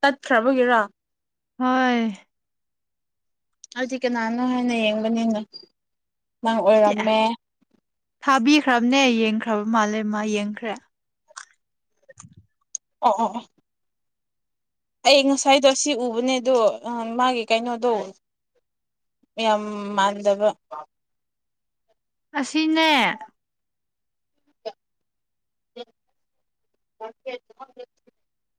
ꯇꯠꯈ꯭ꯔꯕꯒꯦꯔꯥ ꯍꯣꯏ ꯑꯩꯗꯤ ꯀꯅꯥꯅꯣ ꯍꯥꯏꯅ ꯌꯦꯡꯕꯅꯤꯅ ꯅꯪ ꯆꯦ ꯑꯣꯏꯔꯝꯃꯦ ꯊꯥꯕꯤꯈ꯭ꯔꯕꯅꯦ ꯌꯦꯡꯈ꯭ꯔꯕ ꯃꯥꯜꯂꯦ ꯃꯥ ꯌꯦꯡꯈ꯭ꯔꯦ ꯑꫭ ꯑꫭ ꯑꫭ ꯑꯩ ꯉꯁꯥꯏꯗꯣ ꯑꯁꯤ ꯎꯕꯅꯦ ꯑꯗꯣ ꯑ‌ꯥ ꯃꯥꯒꯤ ꯀꯩꯅꯣꯗꯣ ꯌꯥꯝ ꯃꯥꯟꯗꯕ ꯑꯁꯤꯅꯦ [inaudible]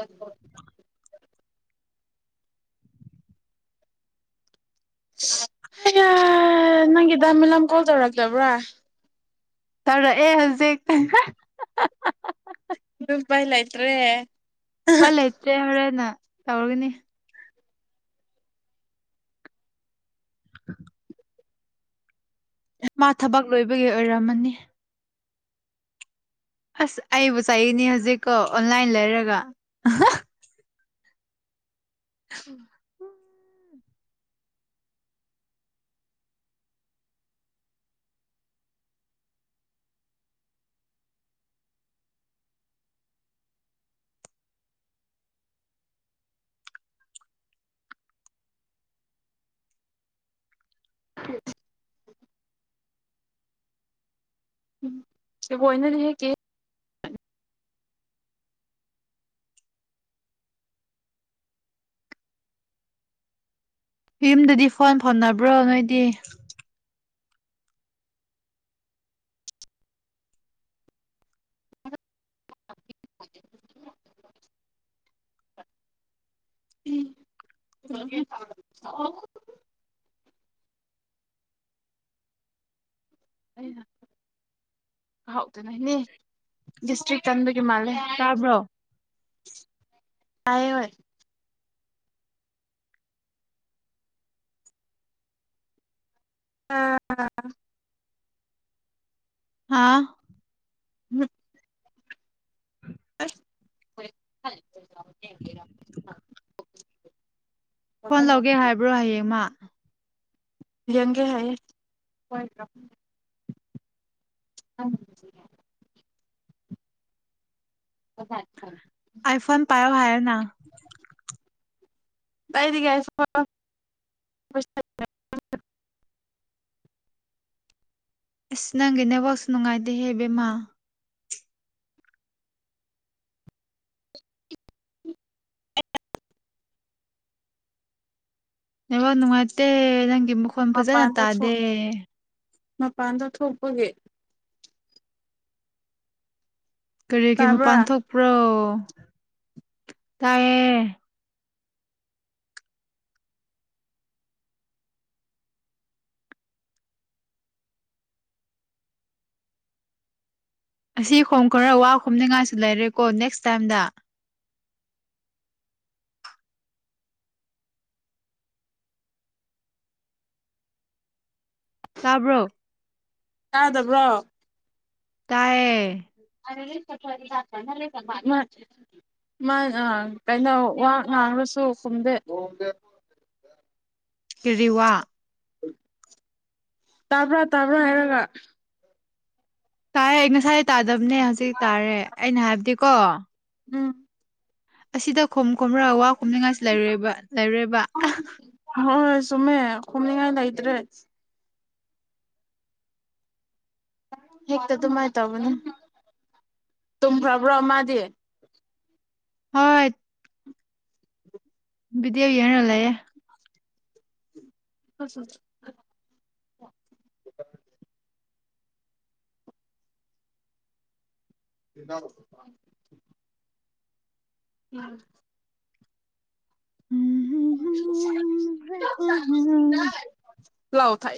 ꯑ ꯍꯣ [inaudible] ꯍ ꯅꯪꯒꯤ ꯗꯥꯃꯤꯂꯥꯝ ꯀꯣꯜ ꯇꯧꯔꯛꯇꯕ꯭ꯔꯥ ꯇꯧꯔ ꯑꯦ ꯍꯧꯖꯤꯛ ꯄꯥꯏꯂꯥꯏꯇ꯭ꯔꯦ ꯍ ꯂꯩꯇ꯭ꯔꯦ ꯍꯣꯔꯦꯟꯅ ꯇꯧꯔꯒꯅꯤ [inaudible] ꯃꯥ ꯊꯕꯛ ꯂꯣꯏꯕꯒꯤ ꯑꯣꯏꯔꯝꯃꯅꯤ ꯑꯁ ꯑꯩꯕꯨ ꯆꯥꯏꯅꯤ ꯍꯧꯖꯤꯛꯀꯣ ꯑꯣꯟꯂꯥꯏꯟ ꯂꯩꯔꯒ [inaudible] ꯝꯕꯨ ꯏꯅ ꯂꯩꯒꯦ ꯌꯨꯝꯗꯗꯤ ꯐꯣꯟ ꯐꯣꯟꯅꯕ꯭ꯔꯣ ꯅꯣꯏꯗꯤ ꯎꯝ ꯑꯣ ꯑꯩꯅ ꯍꯥꯎꯗꯅꯅꯦ ꯗꯤꯁꯇ꯭ꯔꯤꯛ ꯀꯟꯕꯒꯤ ꯃꯥꯂꯦ ꯇꯥꯕ꯭ꯔꯣ ꯀ ꯑꯣꯏꯣꯏ ꯑꯥ ꯍꯥꯥ ꯎꯝ [inaudible] ꯐꯣꯟ ꯂꯧꯒꯦ ꯍꯥꯏꯕ꯭ꯔꯣ ꯍꯌꯦꯡꯃ ꯂꯒꯦ ꯍꯥꯏ ꯑ [unintelligible] ꯑꯥꯏꯐꯣꯟ ꯄꯥꯏꯣ ꯍꯥꯏ ꯍꯥꯏꯔꯅ ꯀꯥꯏꯗꯤꯒꯁꯤ ꯑꯁ ꯅꯪꯒꯤ ꯅꯦꯠꯋꯥꯛꯁꯨ ꯅꯨꯡꯉꯥꯏꯇꯦꯍꯦꯕꯦꯝꯃ [inaudible] ꯃꯦ ꯅꯪ ꯒꯤ ꯃꯈꯣꯟ ꯐꯖꯅ ꯃꯄꯥꯟꯗ ꯇꯥꯗꯦ ꯃꯄꯥꯟꯗ ꯊꯣꯛꯄꯒꯦ ꯀꯔꯤꯒꯤꯔꯤ ꯃꯄꯥꯟ ꯇꯥꯕ꯭ꯔꯥ ꯊꯣꯛꯄ꯭ꯔꯣ ꯇꯥꯏꯌꯦ ꯑꯁꯤ ꯍꯣꯝ ꯈꯔ ꯋꯥ ꯈꯣꯅꯤꯉꯥꯏꯁꯨ ꯂꯩꯔꯦꯀꯣ ꯅꯦꯛꯁ ꯇꯥꯏꯝꯗ ꯇꯥꯕ꯭ꯔꯣ ꯌꯥꯥꯗꯕ꯭ꯔꯣ ꯇꯑꯌꯦ [unintelligible] ꯀꯩꯅꯣ ꯋꯥ ꯉꯥꯡ꯭ꯔꯁꯨ ꯈꯨꯝꯗꯦ ꯀꯋꯥ ꯇꯥꯕ꯭ꯔꯥ ꯇꯥꯕ꯭ꯔꯥ ꯍꯥꯏꯔꯒ ꯇꯥꯏ ꯑꯩ ꯉꯁꯥꯏ ꯇꯥꯗꯕꯅꯦ ꯍꯧꯖꯤꯛ ꯇꯥꯔꯦ ꯑꯩꯅ ꯍꯥꯏꯕꯗꯤꯀꯣ ꯎꯝ ꯑꯁꯤꯗ ꯈꯣꯝ ꯈꯣꯝꯔ ꯋꯥ ꯈꯣꯝꯅꯤꯉꯥꯏꯁꯤ ꯂꯩꯔꯣꯏꯕ ꯂꯩꯔꯦꯕ ꯍꯣꯏꯣꯏ ꯁꯨꯃꯦ ꯈꯣꯃꯤꯅꯤꯉꯥꯏ ꯂ ꯏꯗ꯭ꯔꯦ ꯍꯦꯛꯇ ꯑꯗꯨꯃꯥꯏꯅ ꯇꯧꯒꯅꯤ ꯇꯨꯝꯈ꯭ꯔꯕ꯭ꯔꯣ ꯃꯥꯗꯤ ꯍꯣꯏ ꯕꯤꯗꯕꯤ ꯌꯦꯅꯂꯌꯦ [unintelligible] [unintelligible] [inaudible] ꯎꯝ ꯂꯥꯎ ꯊꯥꯏ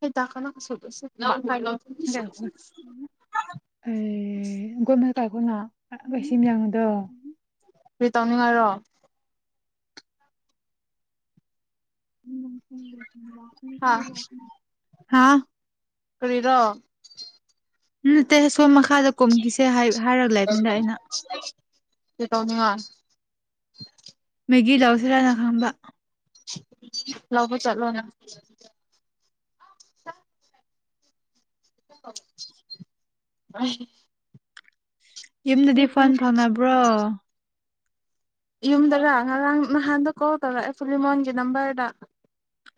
ꯍ ꯇꯥꯀꯅꯥ ꯁꯣꯗ ꯁꯤ [unintelligible] [inaudible] ꯇꯒꯣꯅ ꯀꯁꯤꯡ ꯌꯥꯡꯗꯣ ꯅꯨꯡꯉꯔꯣ ꯎꯝ ꯎꯝ ꯑꯥ ꯍꯥꯥ ꯀꯔꯤꯔꯣ ꯎꯠꯇ ꯁꯣꯝ ꯃꯈꯥꯗ ꯀꯨꯝꯈꯤꯁꯦ ꯍꯥꯏꯔꯒ ꯂꯩꯦꯃꯤꯗ ꯑꯩꯅ ꯀꯔꯤ ꯇꯧꯅꯤꯡꯉꯥꯏ [inaudible] ꯃꯦꯒꯤ ꯂꯗꯥꯎꯁꯔꯥꯅ ꯈꯪꯕ ꯂꯧꯕꯣ ꯆꯠꯂꯣꯅꯦ [inaudible] ꯌꯨꯝꯗꯗꯤ ꯐꯣꯟ ꯐꯪꯅꯕ꯭ꯔꯣ ꯌꯨꯝꯗꯔ ꯉꯔꯥꯡ ꯅꯍꯥꯟꯗ ꯀꯣꯜ ꯇꯧꯔꯛꯑꯦ ꯁꯨꯚꯤꯃꯣꯟꯒꯤ ꯅꯝꯕꯔꯗ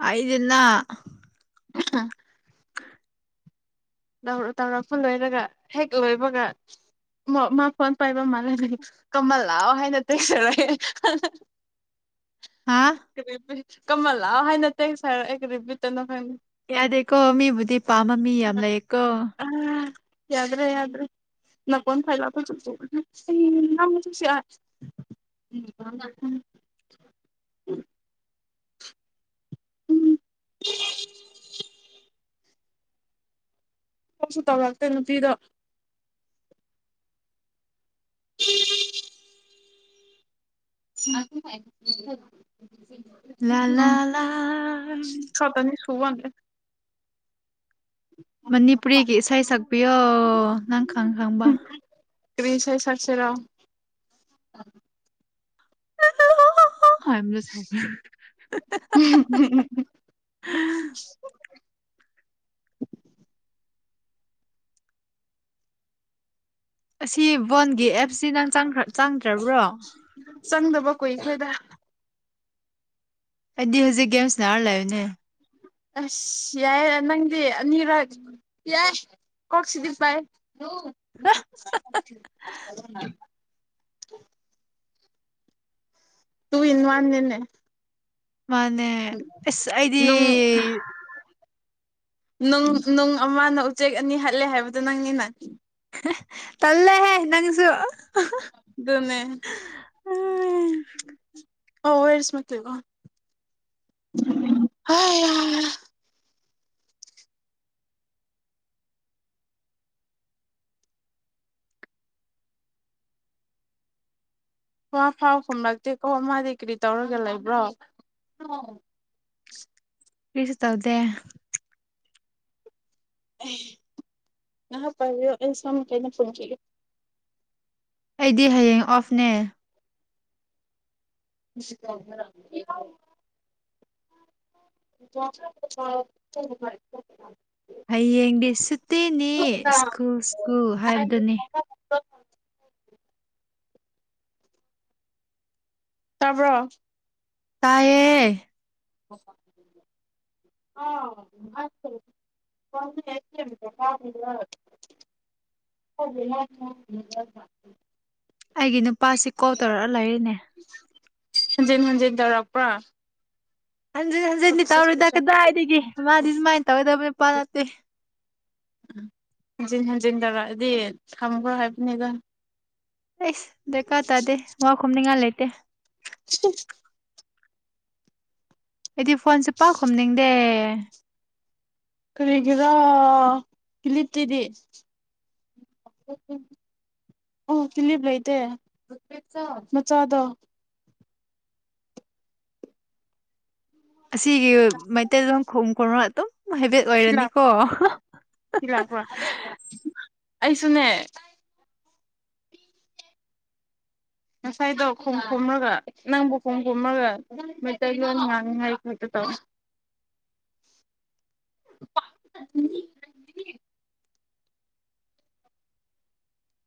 ꯑꯩꯗꯅ ꯑ ꯇꯧꯔꯛꯄ ꯂꯣꯏꯔꯒ ꯍꯦꯛ ꯂꯣꯏꯕꯒ ꯃꯥꯣꯟ ꯄ ꯃꯥꯜ ꯀꯃꯜ ꯂꯑꯣ ꯍꯥꯏꯅꯠꯇꯁꯔꯒꯦ ꯍꯥ ꯀ ꯀꯃꯜꯂꯥ ꯍꯥꯏ ꯅ ꯇꯦ ꯑꯩꯈ꯭ꯔꯤꯕꯤꯇꯅ ꯈꯪ ꯌꯥꯗꯦꯀꯣ ꯃꯤꯕꯨꯗꯤ ꯄꯥꯝꯃ ꯃꯤ ꯌꯥꯝ ꯂꯩ ꯎꯝ ꯌꯥꯗ꯭ꯔꯦ ꯌꯥꯗ꯭ꯔꯦ ꯅꯀꯣꯟ ꯐꯥꯏꯂ ꯆꯁꯨ ꯅꯪꯃ ꯆꯁꯤ ꯁꯨ ꯇꯧ ꯂꯥꯛꯇ ꯅꯨꯡꯄꯤꯗ [unintelligible] [unintelligible] ꯂꯥ ꯂꯥ ꯎꯝ ꯂꯥ ꯀꯗ꯭ꯔ ꯃꯅꯤꯄꯨꯔꯤꯒꯤ ꯏꯁꯩ ꯁꯛꯄꯤꯌꯣ ꯅꯪ ꯈꯪ ꯈꯪꯕ ꯇꯁꯦ ꯁꯥꯠꯁꯤꯔꯥꯎ ꯑ ꯍꯅ ꯁ [inaudible] ꯑꯁꯤ ꯋꯥꯕꯟꯒꯤ ꯑꯦꯞ ꯁꯤ ꯅꯪꯈ꯭ꯔ ꯆꯥꯡꯗ꯭ꯔꯕ꯭ꯔꯣ ꯆꯪꯗꯕ ꯀꯨꯏꯈ꯭ꯔꯦꯗ ꯑꯩꯗꯤ ꯍꯧꯖꯤꯛ ꯒꯦꯝꯁ ꯅꯥꯔ ꯂꯩꯌꯅꯦ ꯑꯁ ꯌꯥꯏ ꯅꯪꯗꯤ ꯑꯅꯤꯔꯛ ꯌꯥꯏ ꯀꯣꯛꯁꯤꯗꯤ ꯄꯥꯏ ꯍ [inaudible] [inaudible] ꯇꯨ ꯏꯟ ꯋꯥꯟ ꯅꯟꯅꯦ ꯃꯥꯅꯦ ꯑꯦꯁ ꯑꯩꯗꯤ ꯅꯨꯡ ꯅꯨꯡ ꯅꯨꯡ ꯑꯃꯅ ꯎꯆꯦꯛ ꯑꯅꯤ ꯍꯜꯂꯦ ꯍꯥꯏꯕꯗꯨꯣ ꯅꯪꯅꯤꯅ ꯇꯜꯂꯦꯍꯦ ꯅꯪꯁꯨ ꯃꯦ ꯑꯣꯋꯔꯁ ꯃꯂꯤꯣ ꯍ ꯋꯥ ꯐꯥꯎ ꯈꯨꯝꯂꯛꯇꯦꯀꯣ ꯃꯥꯗꯤ ꯀꯔꯤ ꯇꯧꯔꯒ ꯂꯩꯕ꯭ꯔꯣ ꯀꯁ ꯇꯕꯗꯦ ꯑ ꯄꯌꯣꯁ ꯀꯩꯅ ꯐꯣꯟ ꯀꯣ ꯑꯩꯗꯤ ꯍꯌꯦꯡ ꯑꯣꯐꯅꯦ ꯁꯤ ꯀ [inaudible] ꯍꯌꯦꯡꯗꯤ ꯁꯠꯇꯤꯅꯤ ꯁ꯭ꯀꯨꯜ ꯁ꯭ꯀꯨꯜ ꯍꯥꯏꯕꯗꯨꯅꯤ ꯑꯣꯝ ꯇꯥꯕ꯭ꯔꯣ ꯇꯌꯦ ꯑ ꯑꯩꯒꯤ ꯅꯨꯄꯥꯁꯤ ꯀꯣꯜ ꯇꯧꯔꯛꯑ ꯂꯩꯔꯤꯅꯦ ꯍꯟꯖꯤꯟ ꯍꯟꯖꯤꯟ ꯇꯧꯔꯛꯄ꯭ꯔꯥ ꯍꯟꯖꯤꯟ ꯍꯟꯖꯤꯟꯗꯤ ꯐꯣꯔꯇꯤ ꯇꯧꯔꯣꯏꯗ ꯁꯤꯛꯁ ꯀꯗꯥꯏꯗꯒꯤ ꯃꯥꯗꯤ ꯄꯥꯔꯁꯦꯟ ꯁꯨꯃꯥꯏꯅ ꯇꯧꯒꯗꯕ ꯅꯨꯄꯥ ꯅꯠꯇꯦ ꯎ ꯍꯟꯖꯤꯟ ꯍꯟꯖꯤꯟ ꯇꯧꯔꯛꯑꯗꯤ ꯊꯝꯈ꯭ꯔꯣ ꯍꯥꯏꯕꯅꯤꯗ ꯑꯦꯁ ꯗꯀꯥ ꯇꯥꯗꯦ ꯃꯥꯎ ꯈꯨꯝꯅꯤꯡꯉꯥꯏ ꯂꯩꯇꯦ [inaudible] ꯑꯩꯗꯤ ꯐꯣꯟꯁꯦ ꯄꯥꯛꯈꯨꯝꯅꯤꯡꯗꯦ ꯀꯔꯤꯒꯤꯔꯥ ꯀꯤꯂꯤꯞꯇꯤꯗꯤ ꯑꯣ ꯀꯤꯂꯤꯞ ꯂꯩꯇꯦ ꯃꯆꯥꯗꯣ ꯑꯁꯤꯒꯤ ꯃꯩꯇꯩꯂꯣꯟ ꯈꯎ ꯈꯨꯔ ꯑꯗꯨꯝ ꯍꯥꯏꯦꯕꯤꯦꯠ ꯁꯤ ꯂꯥꯛꯄ ꯑꯣꯏꯔꯅꯤꯀꯣ ꯁꯤ ꯂꯥꯛꯄ꯭ꯔꯥ ꯑꯩꯁꯨꯅꯦ ꯉꯁꯥꯏꯗꯣ ꯈꯣꯡ ꯈꯣꯝꯂꯒ ꯅꯪꯕꯨ ꯈꯣꯡ ꯈꯣꯝꯃꯒ ꯃꯩꯇꯩꯂꯣꯟ ꯉꯥꯡꯅꯤꯉꯥꯏ ꯀꯇ ꯇꯧ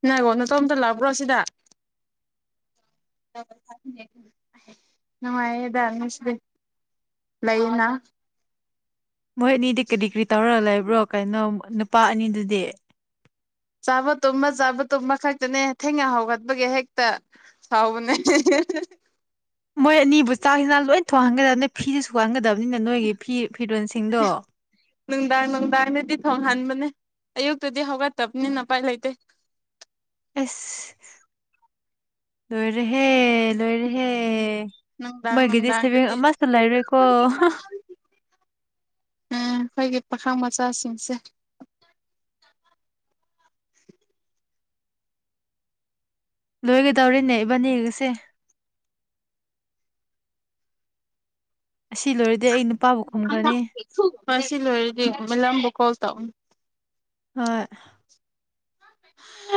ꯅꯪꯉꯣ ꯅꯇꯣꯝꯇ ꯂꯥꯛꯄ꯭ꯔꯣ ꯁꯤꯗ ꯅꯨꯡꯉꯥꯏꯦꯗꯁ ꯂꯩꯅ ꯃꯣꯏ ꯑꯅꯤꯗꯤ ꯀꯔꯤ ꯀꯔꯤ ꯇꯧꯔꯛ ꯂꯩꯕ꯭ꯔꯣ ꯀꯩꯅꯅꯣ ꯅꯨꯄꯥ ꯑꯅꯤꯗꯨꯗꯤ ꯆꯥꯕ ꯇꯨꯝꯃ ꯆꯥꯕ ꯇꯨꯝꯕ ꯈꯛꯇꯅꯦ ꯊꯦꯡꯅ ꯍꯥꯎꯒꯠꯄꯒꯤ ꯍꯦꯛꯇ ꯍꯥꯎꯕꯅꯦ ꯃꯣꯏ ꯑꯅꯤꯕꯨ ꯆꯥꯁꯤꯅ ꯂꯣꯏꯅ ꯊꯣꯡꯍꯟꯒꯗꯕ ꯅ ꯐꯤꯗ ꯁꯨꯍꯟꯒꯗꯕꯅꯤꯅ ꯅꯣꯏꯒꯤ ꯐꯤ ꯐꯤꯔꯣꯜꯁꯤꯡꯗꯣ ꯅꯨꯡꯗꯥꯡ ꯅꯨꯡꯗꯥꯡꯗꯗꯤ ꯊꯣꯡꯍꯟꯕꯅꯦ ꯑꯌꯨꯛꯇꯗꯤ ꯍꯧꯒꯠꯇꯕꯅꯤꯅꯄꯥꯏ ꯂꯩꯇꯦ ꯑꯦꯁ ꯅꯣꯏꯔ ꯍꯦ ꯂꯣꯏꯔꯦꯍꯦ ꯅꯨꯡꯗꯥꯡ ꯃꯣꯏꯒꯤꯗꯤ ꯁꯦꯕꯦꯡ ꯅꯨꯡꯗꯥꯡꯗꯗꯤ ꯑꯃꯁꯨ ꯂꯩꯔꯣꯏꯀꯣ ꯄꯥꯈꯥ ꯃꯆꯥꯁꯁꯦ ꯂꯣꯏꯒꯗꯧꯔꯤꯅꯦ ꯏꯕꯅꯦꯒꯁꯦ ꯑꯁꯤ ꯂꯣꯏꯔꯗꯤ ꯑꯩ ꯅꯨꯄꯥꯕꯨ ꯈꯨꯝꯈ꯭ꯔꯅꯤ ꯐꯁꯤꯂꯗꯤ ꯂꯝꯝꯕ ꯀꯣ ꯇ ꯑꯣꯏ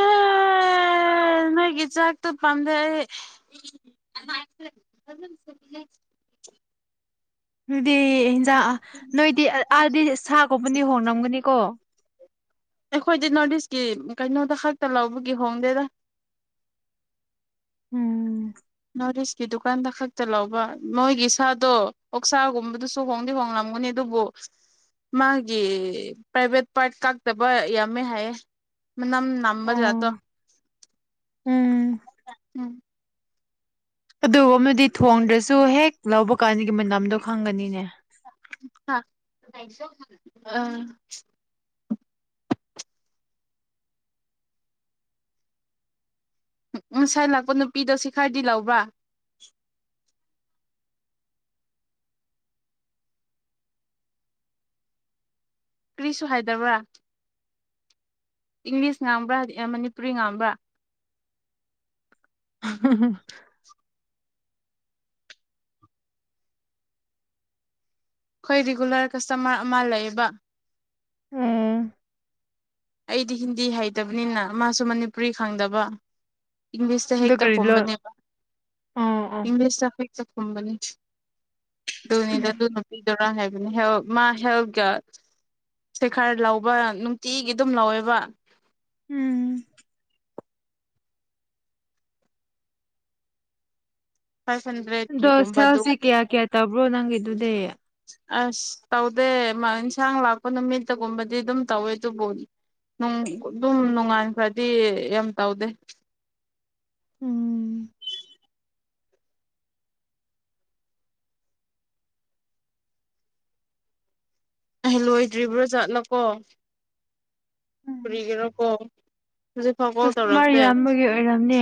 ꯑꯦ ꯅꯣꯏ ꯀꯩꯖꯥꯛꯇ ꯄꯥꯥꯟꯗꯦ ꯑꯗꯨꯗꯤ ꯏꯟꯖꯥꯡ ꯅꯣꯏꯗꯤ ꯑꯥꯗꯤ ꯁꯥꯒꯨꯝꯕꯨꯗꯤ ꯍꯣꯡꯔꯝꯒꯅꯤꯀꯣ ꯑꯩꯈꯣꯏꯗꯤ ꯅꯣꯔꯠ ꯏꯁꯀꯤ ꯀꯩꯅꯣꯗ ꯈꯛꯇ ꯂꯧꯕꯒꯤ ꯍꯣꯡꯗꯦꯗ ꯎꯝ ꯅꯣꯔꯠ ꯏꯁꯀꯤ ꯗꯨꯀꯥꯟꯗ ꯈꯛꯇ ꯂꯧꯕ ꯅꯣꯏꯒꯤ ꯁꯥꯗꯣ ꯑꯣꯛꯁꯥꯒꯨꯝꯕꯗꯨꯁꯨ ꯍꯣꯡꯗꯤ ꯍꯣꯡꯂꯝꯒꯅꯤ ꯑꯗꯨꯕꯨ ꯃꯥꯒꯤ ꯄ꯭ꯔꯥꯏꯚꯦꯠ ꯄꯥꯔꯠ ꯀꯥꯛꯇꯕ ꯌꯥꯝꯃꯦ ꯍꯥꯏꯌꯦ ꯃ ꯅꯝꯕꯖꯇꯣ ꯑꯣ ꯎꯝ ꯎꯝ ꯑꯗꯨ ꯑꯃꯗꯤ ꯊꯣꯡꯗ꯭ꯔꯁꯨ ꯍꯦꯛ ꯂꯧꯕ ꯀꯥꯟ ꯒꯤ ꯃꯝꯗꯣ ꯈꯪꯒꯅꯤꯅꯦ ꯑꯥ ꯎ ꯃꯁꯥꯏ ꯂꯥꯛꯄ ꯅꯨꯄꯤꯗꯣ ꯁꯤ ꯈꯔꯗꯤ ꯂꯧꯕ꯭ꯔꯥ ꯀꯔꯤꯁꯨ ꯍꯥꯏꯗꯕ꯭ꯔꯥ ꯏꯪꯂꯤꯁ ꯉꯥꯡꯕ꯭ꯔꯥ ꯃꯅꯤꯄꯨꯔꯤ ꯉꯥꯡꯕ꯭ꯔꯥ [inaudible] ꯑꯩꯈꯣꯏ ꯔꯤꯒꯨꯂꯔ ꯀꯁꯇꯃꯔ ꯑꯃ ꯂꯩꯌꯦꯕ ꯎꯝ ꯑꯩꯗꯤ ꯍꯤꯟꯗꯤ ꯍꯩꯇꯕꯅꯤꯅ ꯃꯥꯁꯨ ꯃꯅꯤꯄꯨꯔꯤ ꯈꯪꯗꯕ ꯏꯪꯂꯤꯁꯇ ꯑꯗꯨ ꯀꯔꯤ ꯂꯣꯟ ꯍꯦꯛꯛꯇꯈꯣꯕꯅꯦꯕ ꯑꯣ ꯑꯣ ꯏꯪꯂꯤꯁꯇ ꯍꯛꯇ ꯀꯨꯝꯕꯅꯤ ꯗꯙꯣꯅꯤꯗ ꯅꯣꯄꯤ ꯧꯔꯥꯡ ꯍꯥꯏꯕꯅꯤ ꯍꯦꯜ ꯃꯥ ꯍꯦꯜꯀ ꯁꯩꯈꯥꯔ ꯂꯧꯕ ꯅꯨꯡꯇꯤꯒꯤ ꯑꯗꯨꯝ ꯂꯥꯎꯋꯦꯕ ꯎꯝ ꯐꯥꯏꯚ ꯑꯗꯣ ꯍꯟꯗ꯭ꯔꯦꯠꯀꯤꯒꯨꯝꯕ ꯁꯥꯁꯤ ꯑꯗꯨꯒꯨꯝꯕꯗꯤ ꯀꯌꯥ ꯀꯌꯥ ꯇꯧꯕ꯭ꯔꯣ ꯅꯪꯒꯤꯗꯨꯗꯤ ꯑꯁ ꯇꯧꯗꯦ ꯏꯟꯁꯥꯡ ꯂꯥꯛꯄ ꯅꯨꯃꯤꯠꯇꯒꯨꯝꯕꯗꯤ ꯑꯗꯨꯝ ꯇꯧꯋꯦ ꯑꯗꯨꯕꯨ ꯑꯗꯨꯝ ꯅꯣꯡꯉꯥꯟꯈ꯭ꯔꯗꯤ ꯌꯥꯝ ꯇꯧꯗꯦ ꯎꯝ ꯑ ꯂꯣꯏꯗ꯭ꯔꯤꯕ꯭ꯔꯥ ꯆꯠꯂꯀꯣ ꯎꯝ ꯐꯔꯤꯒꯔꯥ ꯀꯣ ꯀꯁꯇꯃꯔ ꯌꯥꯝꯕꯒꯤ ꯑꯣꯏꯔꯝꯅꯦ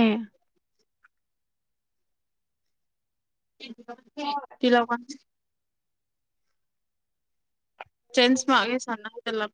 ꯇꯤꯂꯀ ꯆꯦꯟꯁ ꯃꯥꯒꯦ ꯁꯅ ꯆꯂꯞ